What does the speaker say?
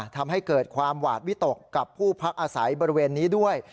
ทำให้เกิดความหวาดวิตกกับผู้พักอาศัยบริเวณนี้ด้วย